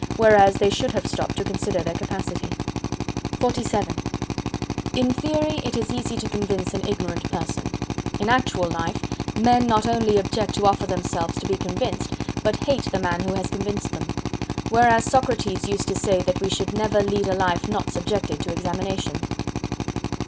Whereas they should have stopped to consider their capacity. XLVII In theory it is easy to convince an ignorant person: in actual life, men not only object to offer themselves to be convinced, but hate the man who has convinced them. Whereas Socrates used to say that we should never lead a life not subjected to examination.